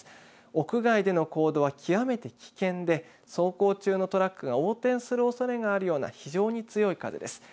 屋外での行動は極めて危険で走行中のトラックが横転するおそれがあるような非常に強い風です。